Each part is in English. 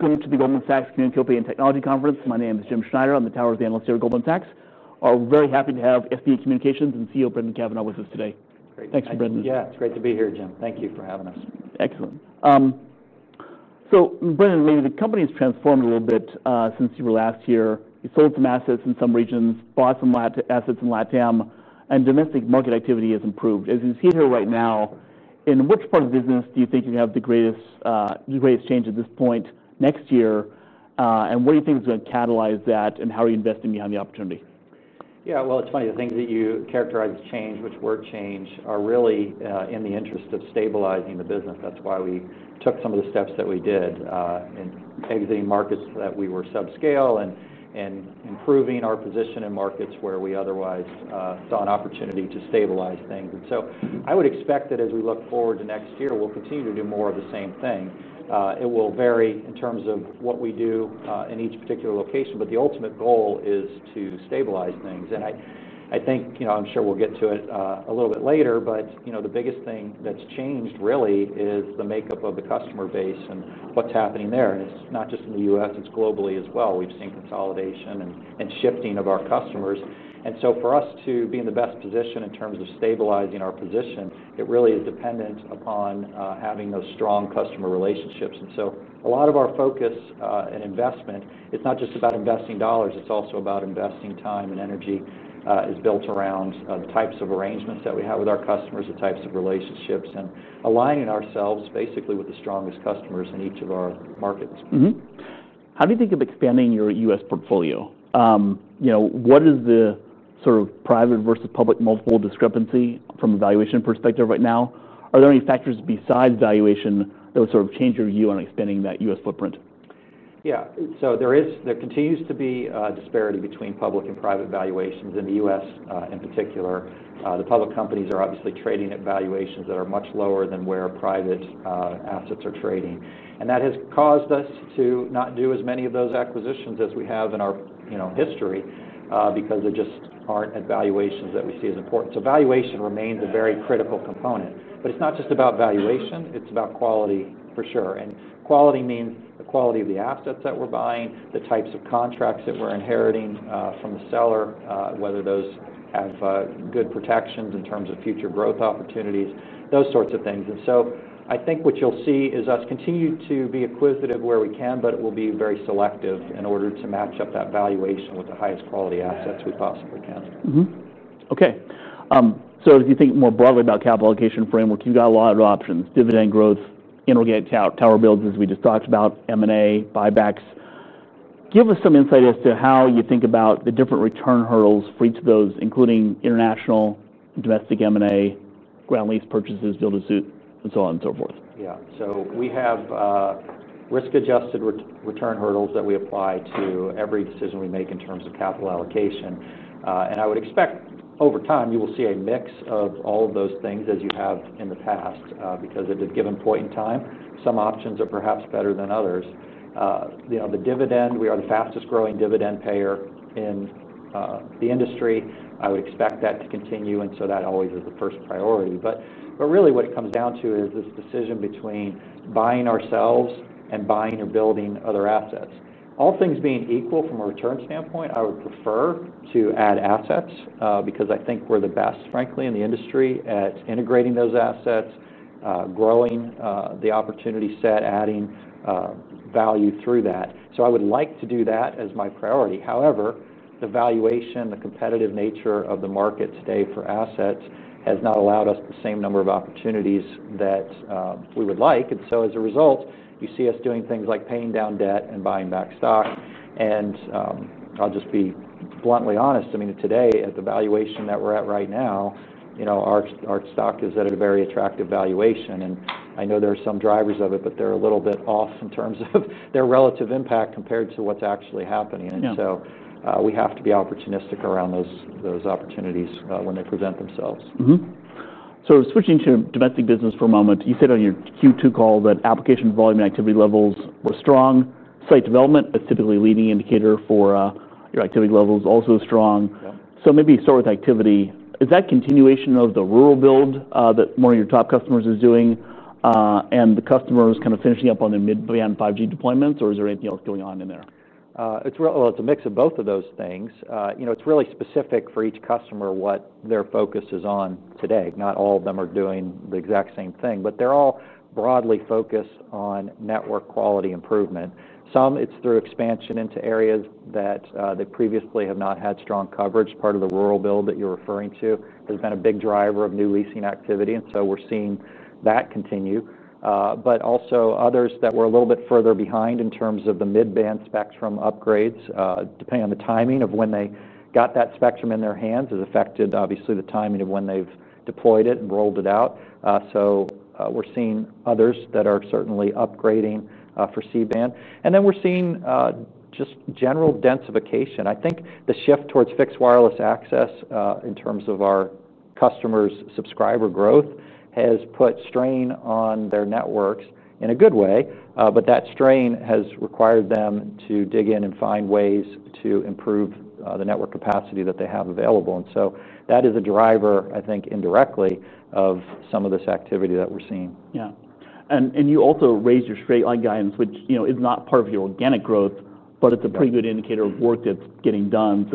Welcome to the Goldman Sachs Community Opinion Technology Conference. My name is Jim Schneider. I'm the Towers Analyst here at Goldman Sachs. We're very happy to have SBA Communications and CEO Brendan Cavanagh with us today. Thanks, Brendan. Yeah, it's great to be here, Jim. Thank you for having us. Excellent. Brendan, maybe the company has transformed a little bit since you were last here. You sold some assets in some regions, bought some assets in LATAM, and domestic market activity has improved. As you sit here right now, in which part of the business do you think you have the greatest change at this point next year, and what do you think is going to catalyze that, and how are you investing behind the opportunity? Yeah, it's funny. The things that you characterize as change, which were change, are really in the interest of stabilizing the business. That's why we took some of the steps that we did in exiting markets that we were subscaling and improving our position in markets where we otherwise saw an opportunity to stabilize things. I would expect that as we look forward to next year, we'll continue to do more of the same thing. It will vary in terms of what we do in each particular location, but the ultimate goal is to stabilize things. I think, you know, I'm sure we'll get to it a little bit later, but the biggest thing that's changed really is the makeup of the customer base and what's happening there. It's not just in the U.S., it's globally as well. We've seen consolidation and shifting of our customers. For us to be in the best position in terms of stabilizing our position, it really is dependent upon having those strong customer relationships. A lot of our focus and investment, it's not just about investing dollars, it's also about investing time and energy. It's built around the types of arrangements that we have with our customers, the types of relationships, and aligning ourselves basically with the strongest customers in each of our markets. How do you think of expanding your U.S. portfolio? What is the sort of private versus public multiple discrepancy from a valuation perspective right now? Are there any factors besides valuation that would sort of change your view on expanding that U.S. footprint? Yeah, there continues to be a disparity between public and private asset valuations in the U.S. in particular. The public companies are obviously trading at valuations that are much lower than where private assets are trading. That has caused us to not do as many of those acquisitions as we have in our history because they just aren't at valuations that we see as important. Valuation remains a very critical component. It's not just about valuation, it's about quality for sure. Quality means the quality of the assets that we're buying, the types of contracts that we're inheriting from the seller, whether those have good protections in terms of future growth opportunities, those sorts of things. I think what you'll see is us continue to be acquisitive where we can, but it will be very selective in order to match up that valuation with the highest quality assets we possibly can. Okay. If you think more broadly about capital allocation framework, you've got a lot of options: dividend growth, annual gains, tower builds, as we just talked about, M&A, buybacks. Give us some insight as to how you think about the different return hurdles for each of those, including international, domestic M&A, ground lease purchases, deal to suit, and so on and so forth. Yeah, so we have risk-adjusted return hurdles that we apply to every decision we make in terms of capital allocation. I would expect over time you will see a mix of all of those things as you have in the past because at a given point in time, some options are perhaps better than others. The dividend, we are the fastest growing dividend payer in the industry. I would expect that to continue, and so that always is the first priority. What it comes down to is this decision between buying ourselves and buying or building other assets. All things being equal from a return standpoint, I would prefer to add assets because I think we're the best, frankly, in the industry at integrating those assets, growing the opportunity set, adding value through that. I would like to do that as my priority. However, the valuation, the competitive nature of the market today for assets has not allowed us the same number of opportunities that we would like. As a result, you see us doing things like paying down debt and buying back stock. I'll just be bluntly honest, today at the valuation that we're at right now, our stock is at a very attractive valuation. I know there are some drivers of it, but they're a little bit off in terms of their relative impact compared to what's actually happening. We have to be opportunistic around those opportunities when they present themselves. Switching to domestic business for a moment, you said on your Q2 call that application volume and activity levels were strong. Site development is typically a leading indicator for your activity levels, also strong. Maybe start with activity. Is that continuation of the rural build that one of your top customers is doing and the customers kind of finishing up on their mid-band 5G deployments, or is there anything else going on in there? It's a mix of both of those things. It's really specific for each customer what their focus is on today. Not all of them are doing the exact same thing, but they're all broadly focused on network quality improvement. Some, it's through expansion into areas that they previously have not had strong coverage. Part of the rural build that you're referring to has been a big driver of new leasing activity, and we're seeing that continue. Others that were a little bit further behind in terms of the mid-band spectrum upgrades, depending on the timing of when they got that spectrum in their hands, has affected obviously the timing of when they've deployed it and rolled it out. We're seeing others that are certainly upgrading for C-Band. We're also seeing just general densification. I think the shift towards fixed wireless access in terms of our customers' subscriber growth has put strain on their networks in a good way, but that strain has required them to dig in and find ways to improve the network capacity that they have available. That is a driver, I think, indirectly of some of this activity that we're seeing. Yeah. You also raised your straight line guidance, which is not part of your organic growth, but it's a pretty good indicator of work that's getting done.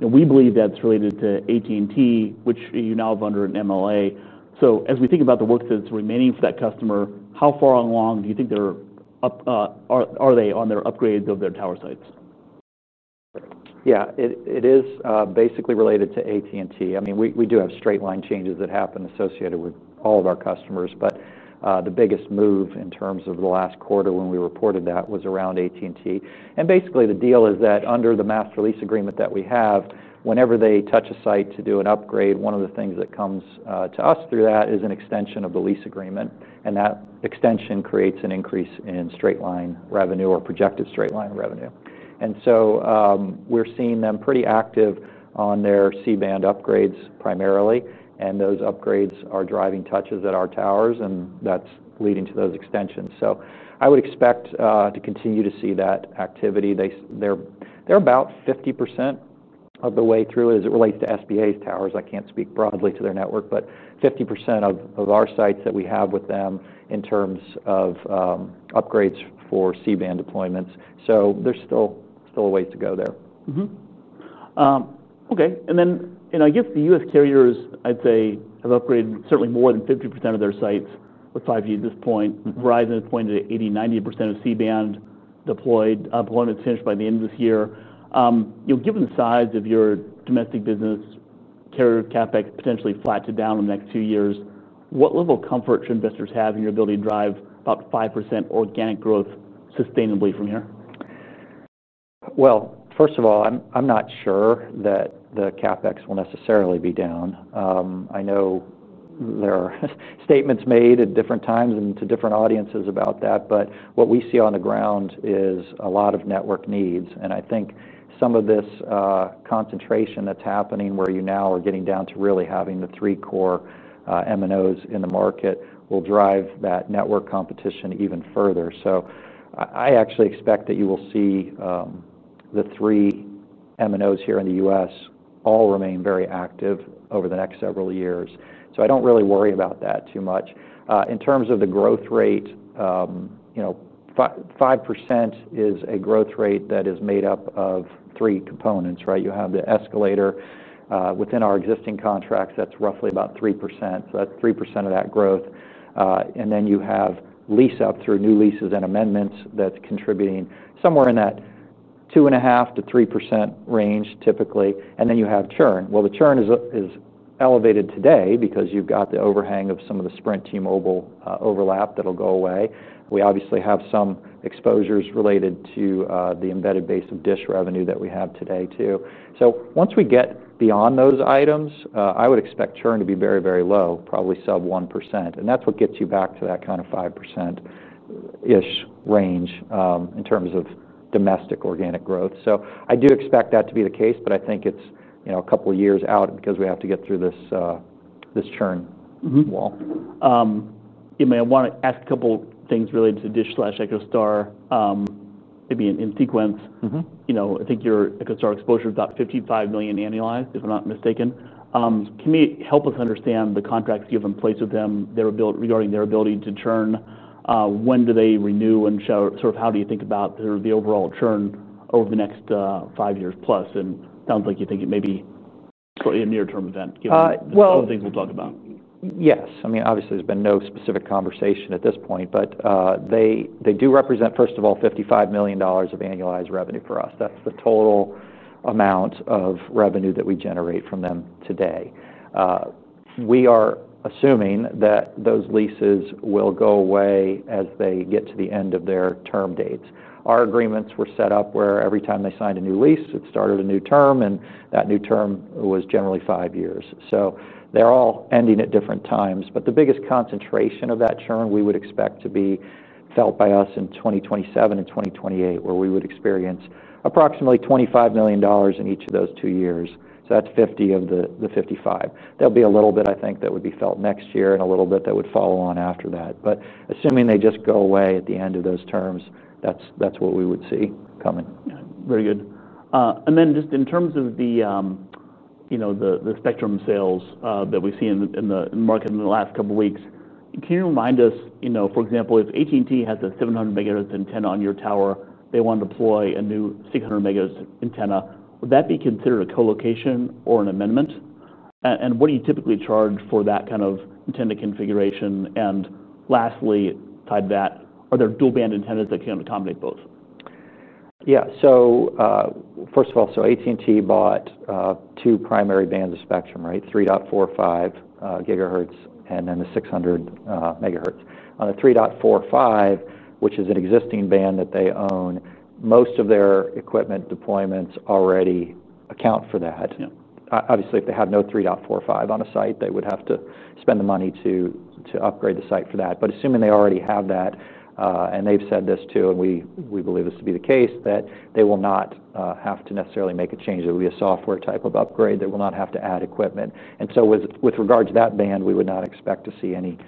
We believe that's related to AT&T, which you now have under an MLA. As we think about the work that's remaining for that customer, how far along do you think they're up? Are they on their upgrades of their tower sites? Yeah, it is basically related to AT&T. I mean, we do have straight line changes that happen associated with all of our customers, but the biggest move in terms of the last quarter when we reported that was around AT&T. Basically, the deal is that under the master lease agreement that we have, whenever they touch a site to do an upgrade, one of the things that comes to us through that is an extension of the lease agreement. That extension creates an increase in straight line revenue or projected straight line revenue. We're seeing them pretty active on their C-Band upgrades primarily, and those upgrades are driving touches at our towers, and that's leading to those extensions. I would expect to continue to see that activity. They're about 50% of the way through it as it relates to SBA's towers. I can't speak broadly to their network, but 50% of our sites that we have with them in terms of upgrades for C-Band deployments. There's still a ways to go there. Okay. The U.S. carriers, I'd say, have upgraded certainly more than 50% of their sites with 5G at this point. Verizon has pointed to 80%- 90% of C-Band deployments finished by the end of this year. Given the size of your domestic business, carrier CapEx potentially flat to down in the next two years, what level of comfort should investors have in your ability to drive about 5% organic growth sustainably from here? First of all, I'm not sure that the CapEx will necessarily be down. I know there are statements made at different times and to different audiences about that, but what we see on the ground is a lot of network needs. I think some of this concentration that's happening where you now are getting down to really having the three core MNOs in the market will drive that network competition even further. I actually expect that you will see the three MNOs here in the U.S. all remain very active over the next several years. I don't really worry about that too much. In terms of the growth rate, you know, 5% is a growth rate that is made up of three components, right? You have the escalator within our existing contracts that's roughly about 3%. That's 3% of that growth. Then you have lease up through new leases and amendments that's contributing somewhere in that 2.5%- 3% range typically. Then you have churn. The churn is elevated today because you've got the overhang of some of the Sprint T-Mobile overlap that'll go away. We obviously have some exposures related to the embedded base of DISH revenue that we have today too. Once we get beyond those items, I would expect churn to be very, very low, probably sub 1%. That's what gets you back to that kind of 5%-ish range in terms of domestic organic growth. I do expect that to be the case, but I think it's a couple of years out because we have to get through this churn wall. You may want to ask a couple of things related to DISH/EchoStar. Maybe in sequence, I think your EchoStar exposure is about $55 million annualized, if I'm not mistaken. Can you help us understand the contracts you have in place with them regarding their ability to churn? When do they renew, and how do you think about the overall churn over the next five years plus? It sounds like you think it may be slightly a near-term event given some of the things we'll talk about. Yes, I mean, obviously there's been no specific conversation at this point, but they do represent, first of all, $55 million of annualized revenue for us. That's the total amount of revenue that we generate from them today. We are assuming that those leases will go away as they get to the end of their term dates. Our agreements were set up where every time they signed a new lease, it started a new term, and that new term was generally five years. They're all ending at different times. The biggest concentration of that churn we would expect to be felt by us in 2027 and 2028, where we would experience approximately $25 million in each of those two years. That's $50 million of the $55 million. There'll be a little bit, I think, that would be felt next year and a little bit that would follow on after that. Assuming they just go away at the end of those terms, that's what we would see coming. Very good. In terms of the spectrum sales that we see in the market in the last couple of weeks, can you remind us, for example, if AT&T has a 700 MHz antenna on your tower and they want to deploy a new 600 MHz antenna, would that be considered a colocation or an amendment? What do you typically charge for that kind of antenna configuration? Lastly, tied to that, are there dual band antennas that can accommodate both? Yeah, so first of all, AT&T bought two primary bands of spectrum, right? 3.45 GHz and then the 600 MHz. On the 3.45 GHz, which is an existing band that they own, most of their equipment deployments already account for that. Obviously, if they have no 3.45 GHz on a site, they would have to spend the money to upgrade the site for that. Assuming they already have that, and they've said this too, and we believe this to be the case, they will not have to necessarily make a change. It will be a software type of upgrade. They will not have to add equipment. With regards to that band, we would not expect to see any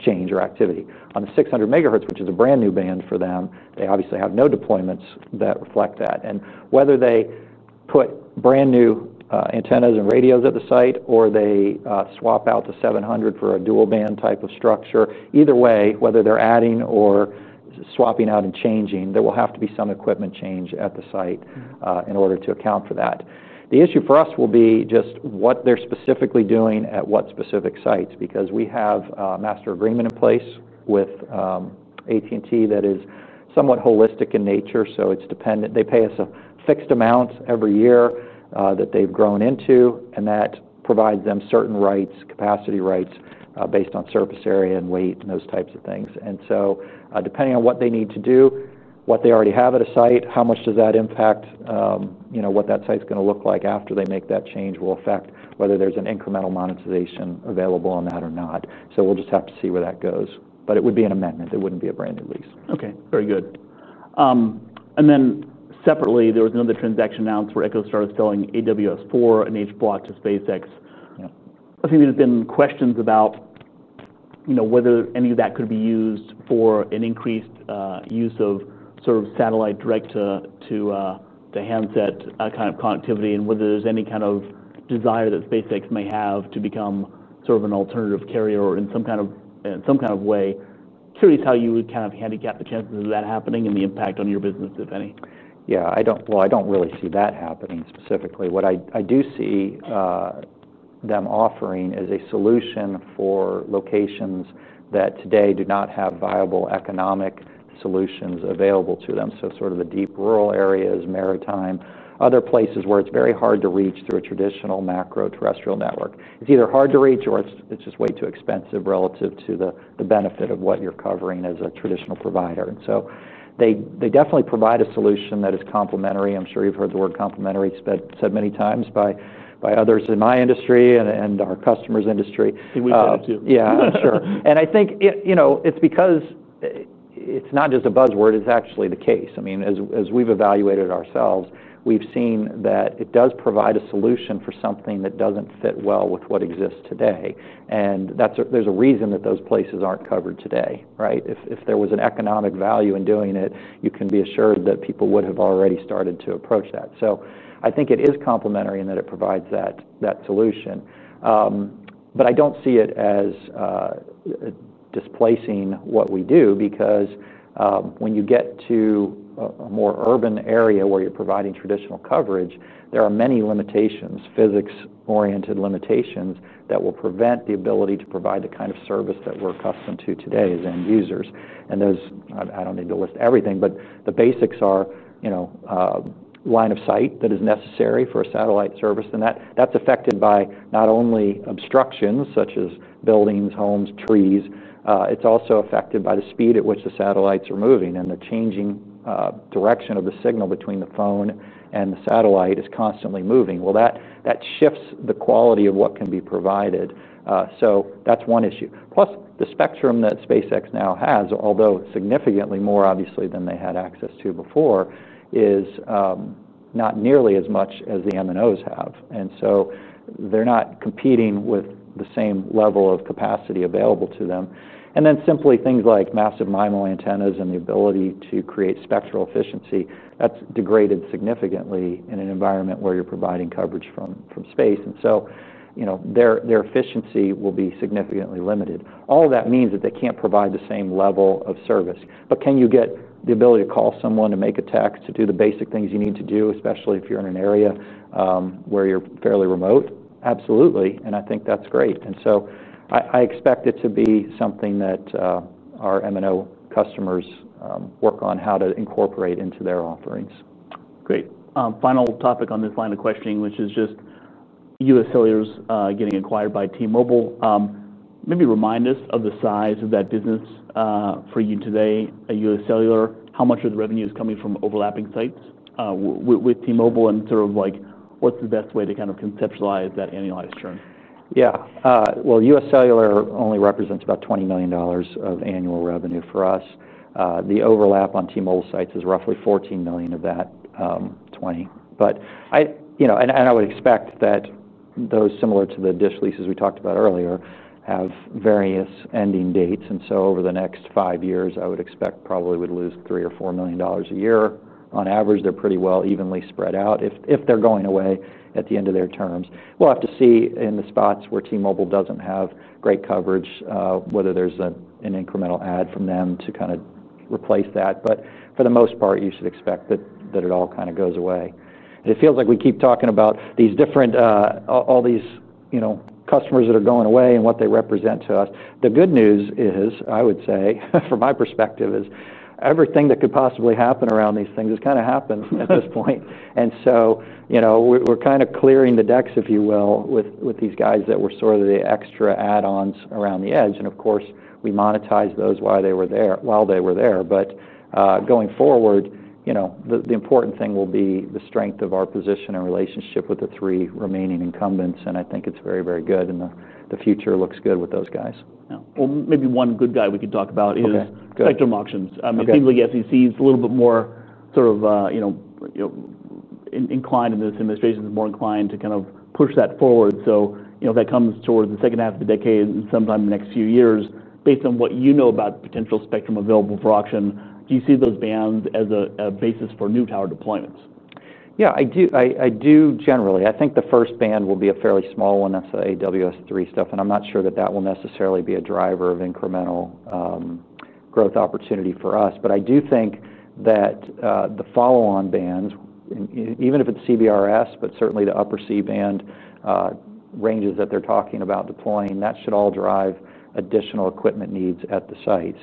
change or activity. On the 600 MHz, which is a brand new band for them, they obviously have no deployments that reflect that. Whether they put brand new antennas and radios at the site, or they swap out the 700 MHz for a dual band type of structure, either way, whether they're adding or swapping out and changing, there will have to be some equipment change at the site in order to account for that. The issue for us will be just what they're specifically doing at what specific sites, because we have a master agreement in place with AT&T that is somewhat holistic in nature. It's dependent. They pay us a fixed amount every year that they've grown into, and that provides them certain rights, capacity rights based on surface area and weight and those types of things. Depending on what they need to do, what they already have at a site, how much does that impact, you know, what that site's going to look like after they make that change will affect whether there's an incremental monetization available on that or not. We'll just have to see where that goes. It would be an amendment. It wouldn't be a brand new lease. Okay, very good. Separately, there was another transaction announced where EchoStar is selling AWS- 4 and H-b lock to SpaceX. I think there's been questions about whether any of that could be used for an increased use of sort of satellite direct to handset kind of connectivity and whether there's any kind of desire that SpaceX may have to become sort of an alternative carrier or in some kind of way. Curious how you would kind of handle the chances of that happening and the impact on your business, if any. I don't really see that happening specifically. What I do see them offering is a solution for locations that today do not have viable economic solutions available to them. Sort of the deep rural areas, maritime, other places where it's very hard to reach through a traditional macro terrestrial network. It's either hard to reach or it's just way too expensive relative to the benefit of what you're covering as a traditional provider. They definitely provide a solution that is complimentary. I'm sure you've heard the word complimentary said many times by others in my industry and our customers' industry. Yeah, sure. I think, you know, it's because it's not just a buzzword. It's actually the case. I mean, as we've evaluated ourselves, we've seen that it does provide a solution for something that doesn't fit well with what exists today. There's a reason that those places aren't covered today, right? If there was an economic value in doing it, you can be assured that people would have already started to approach that. I think it is complementary in that it provides that solution. I don't see it as displacing what we do because when you get to a more urban area where you're providing traditional coverage, there are many limitations, physics-oriented limitations that will prevent the ability to provide the kind of service that we're accustomed to today as end users. I don't need to list everything, but the basics are, you know, line of sight that is necessary for a satellite service. That's affected by not only obstructions such as buildings, homes, trees. It's also affected by the speed at which the satellites are moving and the changing direction of the signal between the phone and the satellite is constantly moving. That shifts the quality of what can be provided. That's one issue. Plus, the spectrum that SpaceX now has, although significantly more obviously than they had access to before, is not nearly as much as the MNOs have. They're not competing with the same level of capacity available to them. Simply things like massive MIMO antennas and the ability to create spectral efficiency, that's degraded significantly in an environment where you're providing coverage from space. Their efficiency will be significantly limited. All of that means that they can't provide the same level of service. Can you get the ability to call someone, to make a text, to do the basic things you need to do, especially if you're in an area where you're fairly remote? Absolutely. I think that's great. I expect it to be something that our MNO customers work on how to incorporate into their offerings. Great. Final topic on this line of questioning, which is just UScellular's getting acquired by T-Mobile. Maybe remind us of the size of that business for you today, UScellular. How much of the revenue is coming from overlapping sites with T-Mobile, and sort of like what's the best way to kind of conceptualize that annualized churn? Yeah, USc ellular only represents about $20 million of annual revenue for us. The overlap on T-Mobile sites is roughly $14 million of that $20 million. I would expect that those, similar to the DISH leases we talked about earlier, have various ending dates. Over the next five years, I would expect probably we'd lose $3 or $4 million a year. On average, they're pretty well evenly spread out if they're going away at the end of their terms. We'll have to see in the spots where T-Mobile doesn't have great coverage whether there's an incremental add from them to kind of replace that. For the most part, you should expect that it all kind of goes away. It feels like we keep talking about these different, all these customers that are going away and what they represent to us. The good news is, from my perspective, everything that could possibly happen around these things has kind of happened at this point. We're kind of clearing the decks, if you will, with these guys that were sort of the extra add-ons around the edge. Of course, we monetized those while they were there. Going forward, the important thing will be the strength of our position and relationship with the three remaining incumbents. I think it's very, very good and the future looks good with those guys. Maybe one good guy we could talk about is spectrum auctions. It seems like the SEC is a little bit more sort of inclined in this and the space is more inclined to kind of push that forward. If that comes towards the second half of the decade and sometime in the next few years, based on what you know about potential spectrum available for auction, do you see those bands as a basis for new tower deployments? Yeah, I do. I do generally. I think the first band will be a fairly small one. That's the AWS- 3 stuff. I'm not sure that that will necessarily be a driver of incremental growth opportunity for us. I do think that the follow-on bands, even if it's CBRS, but certainly the upper C-Band ranges that they're talking about deploying, should all drive additional equipment needs at the sites.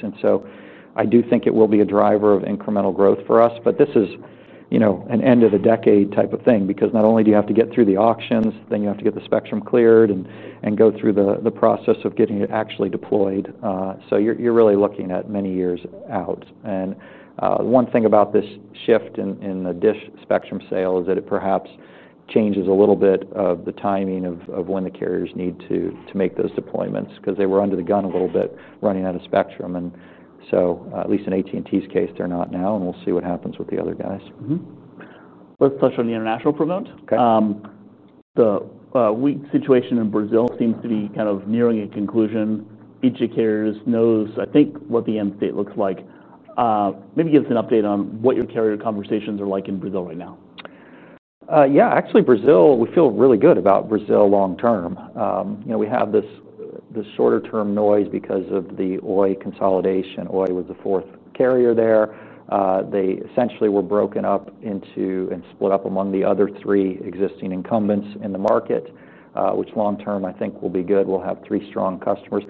I do think it will be a driver of incremental growth for us. This is, you know, an end-of-the-decade type of thing because not only do you have to get through the auctions, you have to get the spectrum cleared and go through the process of getting it actually deployed. You're really looking at many years out. One thing about this shift in the DISH spectrum sale is that it perhaps changes a little bit of the timing of when the carriers need to make those deployments because they were under the gun a little bit running out of spectrum. At least in AT&T's case, they're not now. We'll see what happens with the other guys. Let's touch on the international front. The weak situation in Brazil seems to be kind of nearing a conclusion. Each of the carriers knows, I think, what the end state looks like. Maybe give us an update on what your carrier conversations are like in Brazil right now. Yeah, actually Brazil, we feel really good about Brazil long term. You know, we have this shorter-term noise because of the Oi consolidation. Oi was the fourth carrier there. They essentially were broken up into and split up among the other three existing incumbents in the market, which long term, I think, will be good. We'll have three strong customers.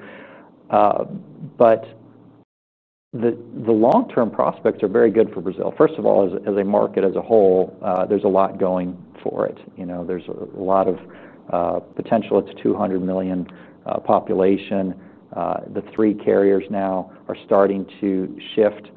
The long-term prospects are very good for Brazil. First of all, as a market as a whole, there's a lot going for it. You know, there's a lot of potential. It's a 200 million population. The three carriers now are starting to shift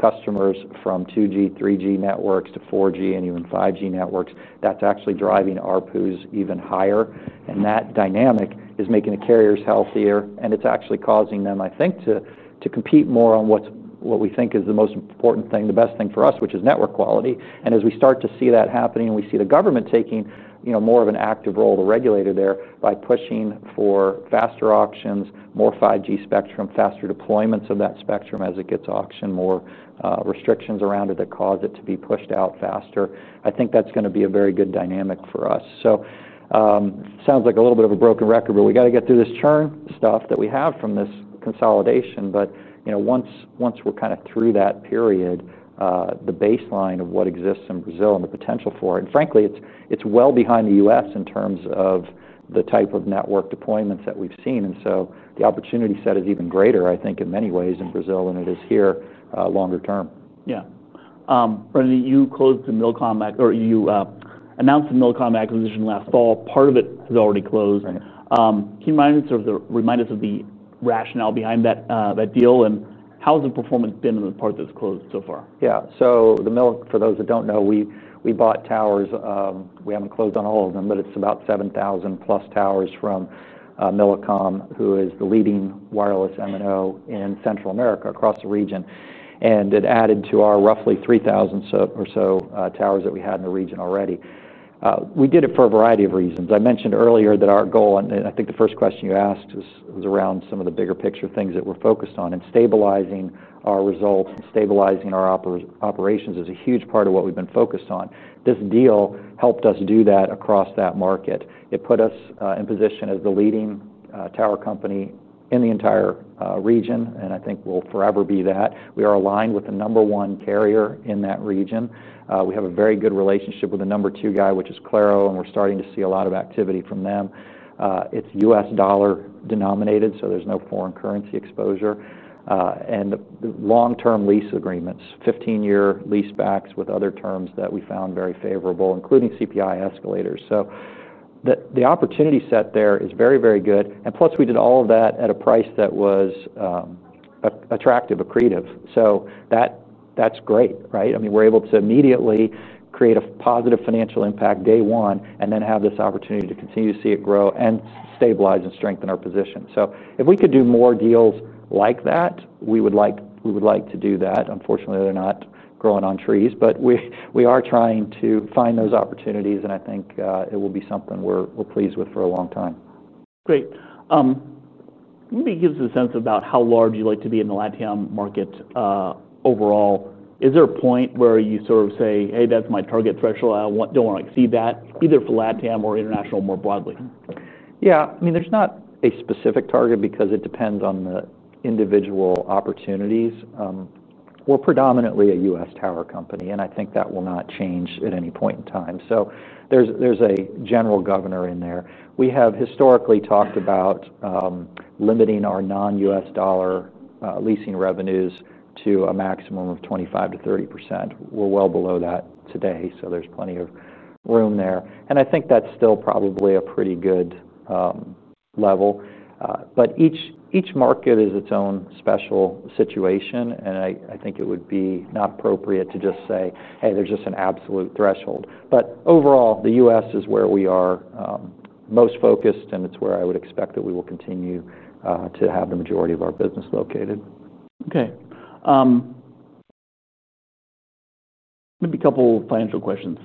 customers from 2G, 3G networks to 4G and even 5G networks. That's actually driving ARPUs even higher. That dynamic is making the carriers healthier. It's actually causing them, I think, to compete more on what we think is the most important thing, the best thing for us, which is network quality. As we start to see that happening, we see the government taking, you know, more of an active role, the regulator there, by pushing for faster auctions, more 5G spectrum, faster deployments of that spectrum as it gets auctioned, more restrictions around it that cause it to be pushed out faster. I think that's going to be a very good dynamic for us. It sounds like a little bit of a broken record, but we got to get through this churn stuff that we have from this consolidation. Once we're kind of through that period, the baseline of what exists in Brazil and the potential for it, and frankly, it's well behind the U.S. in terms of the type of network deployments that we've seen. The opportunity set is even greater, I think, in many ways in Brazil than it is here longer term. Yeah. Brendan, you closed the Millicom or you announced the Millicom acquisition last fall. Part of it has already closed. Can you remind us of the rationale behind that deal, and how has the performance been in the part that's closed so far? Yeah, so the Millicom, for those that don't know, we bought towers. We haven't closed on all of them, but it's about 7,000+ towers from Millicom, who is the leading wireless MNO in Central America across the region. It added to our roughly 3,000 or so towers that we had in the region already. We did it for a variety of reasons. I mentioned earlier that our goal, and I think the first question you asked was around some of the bigger picture things that we're focused on. Stabilizing our results and stabilizing our operations is a huge part of what we've been focused on. This deal helped us do that across that market. It put us in position as the leading tower company in the entire region, and I think we'll forever be that. We are aligned with the number one carrier in that region. We have a very good relationship with the number two guy, which is Claro, and we're starting to see a lot of activity from them. It's U.S. dollar denominated, so there's no foreign currency exposure. The long-term lease agreements, 15-year lease backs with other terms that we found very favorable, including CPI escalators. The opportunity set there is very, very good. Plus, we did all of that at a price that was attractive, accretive. That's great, right? I mean, we're able to immediately create a positive financial impact day one and then have this opportunity to continue to see it grow and stabilize and strengthen our position. If we could do more deals like that, we would like to do that. Unfortunately, they're not growing on trees, but we are trying to find those opportunities, and I think it will be something we're pleased with for a long time. Great. Maybe give us a sense about how large you like to be in the LATAM market overall. Is there a point where you sort of say, "Hey, that's my target threshold. I don't want to exceed that," either for LATAM or international more broadly? Yeah, I mean, there's not a specific target because it depends on the individual opportunities. We're predominantly a U.S. tower company, and I think that will not change at any point in time. There's a general governor in there. We have historically talked about limiting our non-U.S. dollar leasing revenues to a maximum of 25%- 30%. We're well below that today, so there's plenty of room there. I think that's still probably a pretty good level. Each market is its own special situation, and I think it would be not appropriate to just say, "Hey, there's just an absolute threshold." Overall, the U.S. is where we are most focused, and it's where I would expect that we will continue to have the majority of our business located. Okay. Maybe a couple of financial questions.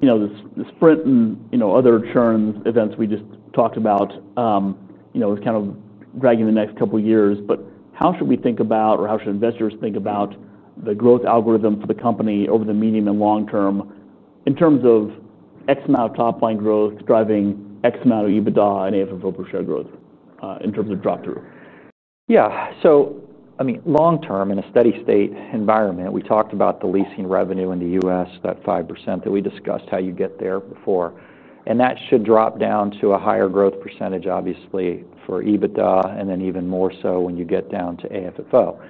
You know, this Sprint and other churn events we just talked about is kind of dragging the next couple of years, but how should we think about, or how should investors think about the growth algorithm for the company over the medium and long term in terms of X amount of top line growth driving X amount of EBITDA and AFFO per share growth in terms of drop-through? Yeah, so I mean, long term in a steady state environment, we talked about the leasing revenue in the U.S., that 5% that we discussed how you get there before. That should drop down to a higher growth percentage, obviously, for EBITDA, and then even more so when you get down to AFFO.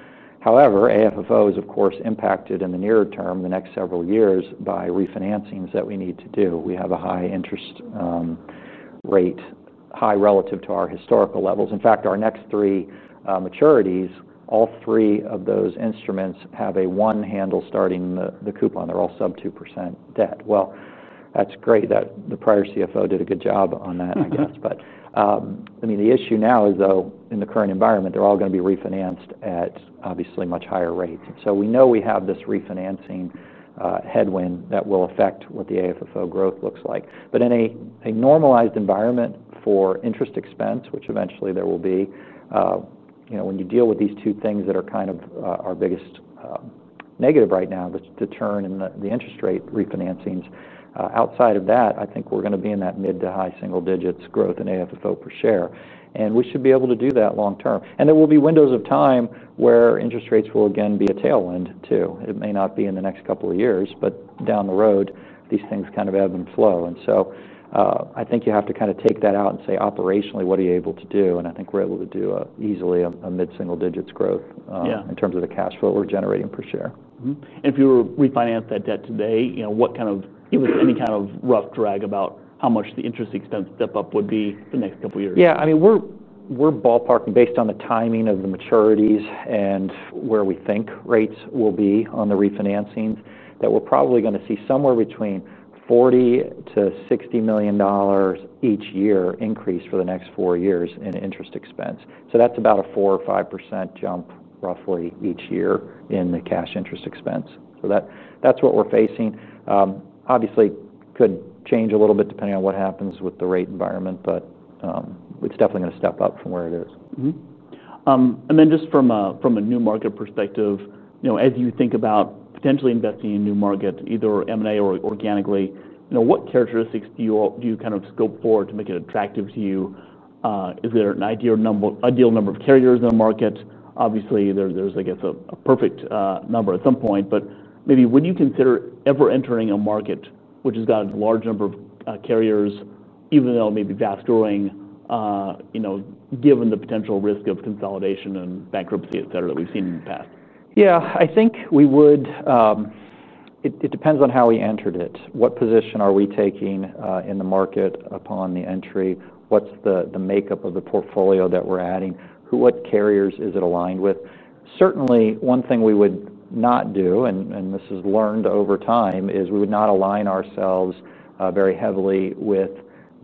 However, AFFO is, of course, impacted in the nearer term, the next several years, by refinancings that we need to do. We have a high interest rate, high relative to our historical levels. In fact, our next three maturities, all three of those instruments have a one handle starting the coupon. They're all sub 2% debt. That's great that the prior CFO did a good job on that, I guess. The issue now is, though, in the current environment, they're all going to be refinanced at obviously much higher rates. We know we have this refinancing headwind that will affect what the AFFO growth looks like. In a normalized environment for interest expense, which eventually there will be, you know, when you deal with these two things that are kind of our biggest negative right now, the churn and the interest rate refinancings, outside of that, I think we're going to be in that mid to high single digits growth in AFFO per share. We should be able to do that long term. There will be windows of time where interest rates will again be a tailwind too. It may not be in the next couple of years, but down the road, these things kind of ebb and flow. I think you have to kind of take that out and say, operationally, what are you able to do? I think we're able to do easily a mid-single digits growth in terms of the cash flow we're generating per share. If you were to refinance that debt today, what kind of, if it was any kind of rough drag, about how much the interest expense step up would be the next couple of years? Yeah, I mean, we're ballparking based on the timing of the maturities and where we think rates will be on the refinancings that we're probably going to see somewhere between $40 million- $60 million each year increase for the next four years in interest expense. That's about a 4% or 5% jump roughly each year in the cash interest expense. That's what we're facing. Obviously, it could change a little bit depending on what happens with the rate environment, but it's definitely going to step up from where it is. From a new market perspective, as you think about potentially investing in a new market, either M&A or organically, what characteristics do you kind of scope forward to make it attractive to you? Is there an ideal number of carriers in a market? Obviously, there's a perfect number at some point, but maybe when you consider ever entering a market which has got a large number of carriers, even though it may be fast growing, given the potential risk of consolidation and bankruptcy, etc., that we've seen in the past? Yeah, I think we would, it depends on how we entered it. What position are we taking in the market upon the entry? What's the makeup of the portfolio that we're adding? What carriers is it aligned with? Certainly, one thing we would not do, and this is learned over time, is we would not align ourselves very heavily with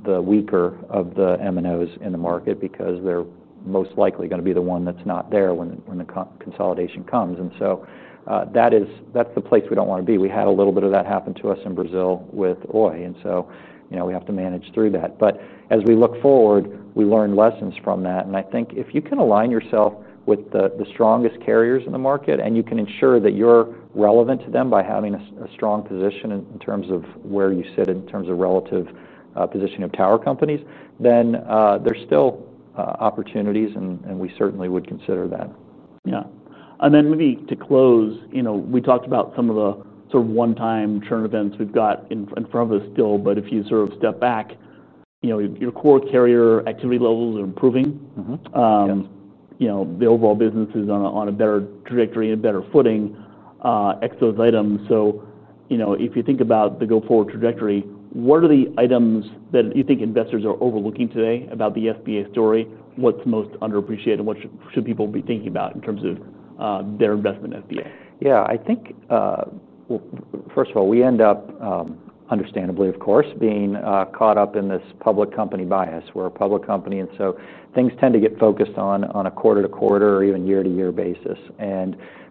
the weaker of the MNOs in the market because they're most likely going to be the one that's not there when the consolidation comes. That is the place we don't want to be. We had a little bit of that happen to us in Brazil with Oi, and we have to manage through that. As we look forward, we learn lessons from that. I think if you can align yourself with the strongest carriers in the market and you can ensure that you're relevant to them by having a strong position in terms of where you sit in terms of relative positioning of tower companies, then there's still opportunities and we certainly would consider that. Yeah. Maybe to close, you know, we talked about some of the sort of one-time churn events we've got in front of us still. If you sort of step back, you know, your core carrier activity levels are improving. The overall business is on a better trajectory and better footing, exposed items. If you think about the go-forward trajectory, what are the items that you think investors are overlooking today about the SBA story? What's most underappreciated and what should people be thinking about in terms of their investment in SBA? Yeah, I think, first of all, we end up, understandably, of course, being caught up in this public company bias. We're a public company, and so things tend to get focused on a quarter to quarter or even year to year basis.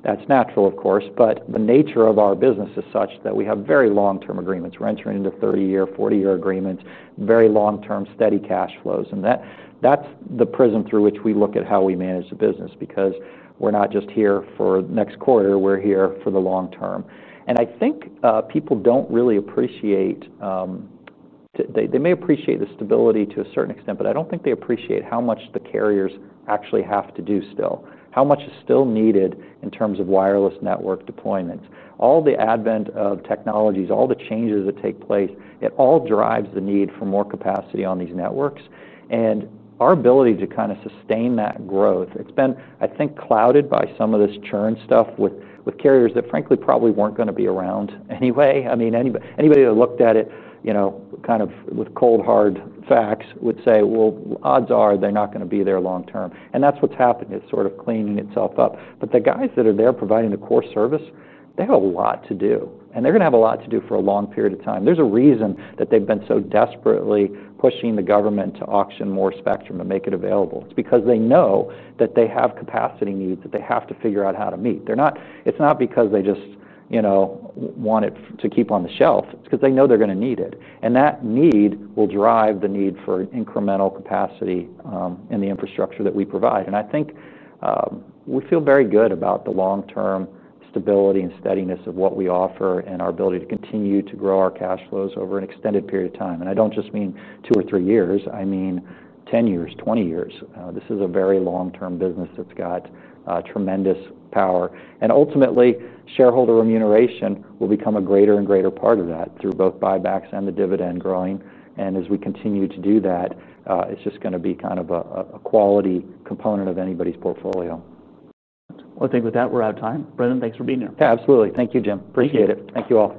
That's natural, of course, but the nature of our business is such that we have very long-term agreements. We're entering into 30-year, 40-year agreements, very long-term steady cash flows. That's the prism through which we look at how we manage the business because we're not just here for the next quarter, we're here for the long term. I think people don't really appreciate, they may appreciate the stability to a certain extent, but I don't think they appreciate how much the carriers actually have to do still. How much is still needed in terms of wireless network deployments. All the advent of technologies, all the changes that take place, it all drives the need for more capacity on these networks. Our ability to kind of sustain that growth, it's been, I think, clouded by some of this churn stuff with carriers that frankly probably weren't going to be around anyway. I mean, anybody that looked at it, you know, kind of with cold hard facts would say, odds are they're not going to be there long term. That's what's happened. It's sort of cleaning itself up. The guys that are there providing the core service, they have a lot to do. They're going to have a lot to do for a long period of time. There's a reason that they've been so desperately pushing the government to auction more spectrum to make it available. It's because they know that they have capacity needs that they have to figure out how to meet. It's not because they just want it to keep on the shelf. It's because they know they're going to need it. That need will drive the need for incremental capacity in the infrastructure that we provide. I think we feel very good about the long-term stability and steadiness of what we offer and our ability to continue to grow our cash flows over an extended period of time. I don't just mean two or three years. I mean 10 years, 20 years. This is a very long-term business that's got tremendous power. Ultimately, shareholder remuneration will become a greater and greater part of that through both buybacks and the dividend growing. As we continue to do that, it's just going to be kind of a quality component of anybody's portfolio. I think with that, we're out of time. Brendan, thanks for being here. Absolutely. Thank you, Jim. Appreciate it. Thank you all.